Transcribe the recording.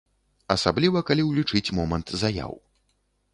Асабліва калі ўлічыць момант заяў.